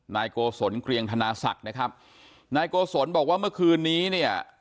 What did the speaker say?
นายโกศลเกรียงธนาศักดิ์นะครับนายโกศลบอกว่าเมื่อคืนนี้เนี่ย